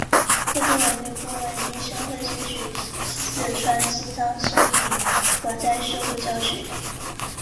各地文旅部门应深刻吸取四川西昌森林火灾事故教训